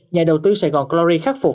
nhà đầu tư sài gòn glory khắc phục